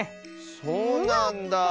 そうなんだあ。